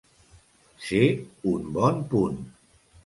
Ser un bon punt.